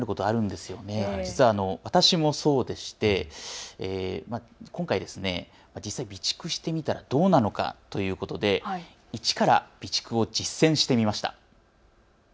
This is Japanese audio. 実は私もそうでして今回、実際、備蓄してみたらどうなのかということで１から備蓄を実践してみました。